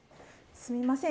すいません。